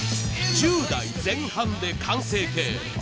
１０代前半で完成形。